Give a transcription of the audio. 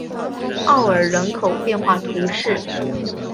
奥尔人口变化图示